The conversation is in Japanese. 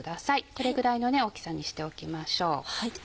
これぐらいの大きさにしておきましょう。